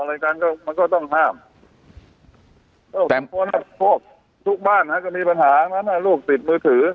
อะไรกันก็มันก็ต้องห้าม